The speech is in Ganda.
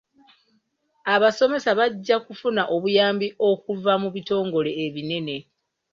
Abasomesa bajja kufuna obuyambi okuva mu bitongole ebinene.